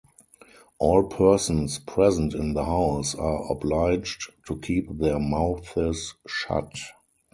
All persons present in the house are obliged to keep their mouths shut.